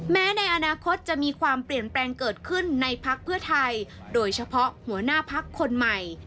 ในอนาคตจะมีความเปลี่ยนแปลงเกิดขึ้นในพักเพื่อไทยโดยเฉพาะหัวหน้าพักคนใหม่